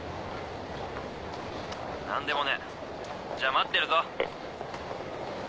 何でもねえじゃ待ってるぞ。